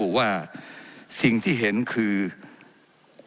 ว่าการกระทรวงบาทไทยนะครับ